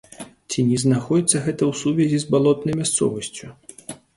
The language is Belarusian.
Ці не знаходзіцца гэта ў сувязі з балотнай мясцовасцю?